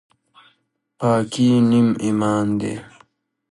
پاکي نیم ایمان دی